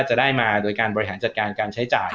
จะได้มาโดยการบริหารจัดการการใช้จ่าย